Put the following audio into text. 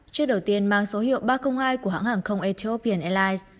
chiếc đầu tiên mang số hiệu ba trăm linh hai của hãng hàng không etopian airlines